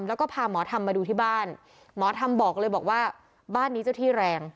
แล้วก็พาหมอธรรมมาดูที่บ้านหมอธรรมบอกเลยบอกว่าบ้านนี้เจ้าที่แรง